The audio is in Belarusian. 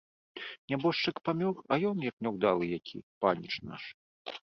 Нябожчык памёр, а ён, як няўдалы які, паніч наш.